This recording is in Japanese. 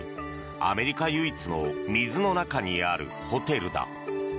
アメリカ唯一の水の中にあるホテルだ。